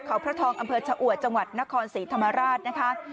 เขาพระทองอำเภอชะอวดจังหวัดนครศรีธรรมราชนะคะ